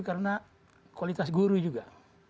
karena kualitas guru juga